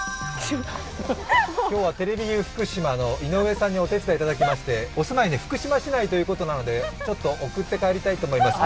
今日はテレビユー福島の井上さんにお手伝いいただきましてお住まいは福島市内ということなので送って帰りたいと思います。